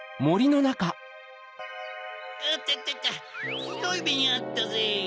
あたたたひどいめにあったぜ。